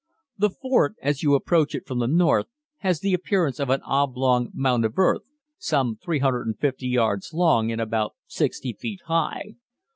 The fort, as you approach it from the north, has the appearance of an oblong mound of earth, some 350 yards long and about 60 feet high.